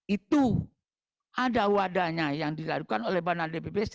itu ada wadahnya yang dilakukan oleh banda dppb